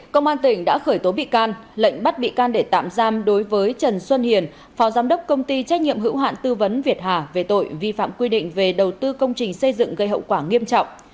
công an tỉnh đã khởi tố bị can lệnh bắt bị can để tạm giam đối với trần xuân hiền phó giám đốc công ty trách nhiệm hữu hạn tư vấn việt hà về tội vi phạm quy định về đầu tư công trình xây dựng gây hậu quả nghiêm trọng